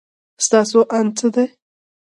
ستاسو اند څه دی؟